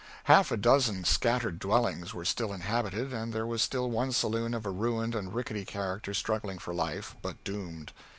Half a dozen scattered dwellings were still inhabited, and there was still one saloon of a ruined and rickety character struggling for life, but doomed.